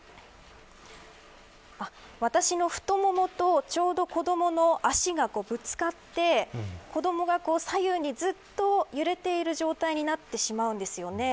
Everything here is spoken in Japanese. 私の太腿とちょうど子どもの足がぶつかって子どもが左右にずっと揺れている状態になってしまうんですよね。